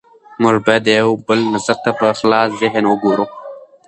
موږ باید د یو بل نظر ته په خلاص ذهن وګورو